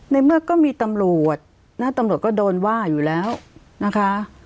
ในเมื่อก็มีตำรวจนะตำรวจตำรวจก็โดนว่าอยู่แล้วนะคะ